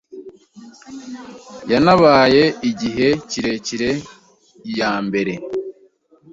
yanabaye igihe kirekire iya mbere